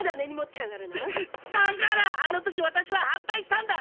だからあの時私は反対したんだ！